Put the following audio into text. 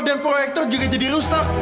dan proyektor juga jadi rusak